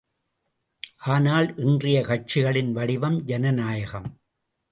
ஆனால், இன்றைய கட்சிகளின் வடிவம் ஜனநாயகம்.